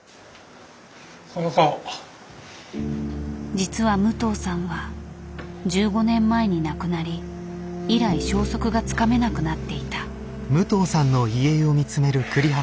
実は武藤さんは１５年前に亡くなり以来消息がつかめなくなっていた。